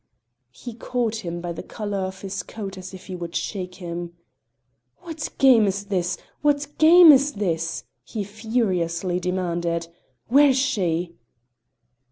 He caught him by the collar of his coat as if he would shake him. "What game is this? what game is this?" he furiously demanded. "Where is she?"